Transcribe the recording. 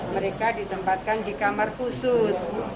mereka ditempatkan di kamar khusus